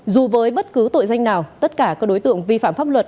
dù với bất cứ tội danh nào tất cả các đối tượng vi phạm pháp luật